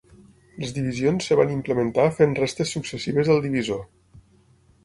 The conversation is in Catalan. Les divisions es van implementar fent restes successives del divisor.